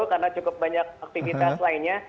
karena cukup banyak aktivitas lainnya